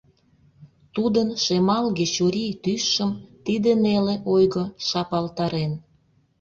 Тудын шемалге чурий тӱсшым тиде неле ойго шапалтарен.